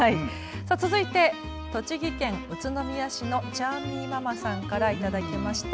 続いて栃木県宇都宮市のチャーミーママさんから頂きました。